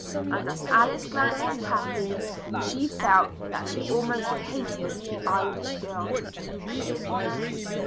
And as Alice glanced at Kathleen she felt that she almost hated the Irish girl.